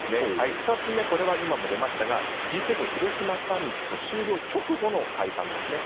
２つ目、今も出ましたがＧ７広島サミット終了直後の解散ですね。